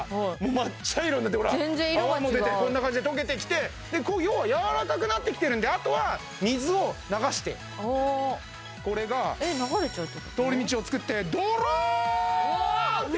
全然色が違う泡も出てこんな感じで溶けてきて要はやわらかくなってきてるんであとは水を流してこれが通り道を作ってどろーんって！